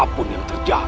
apapun yang terjadi